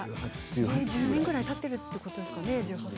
１０年ぐらいたっているということですね